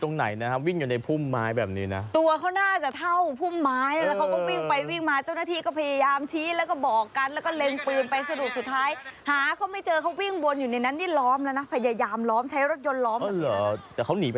ทิ้งไว้ให้ดูต่างหน้าดูเดี๋ยวพาคุณผู้ชมไปดูช่วงที่เขาจับกันค่ะ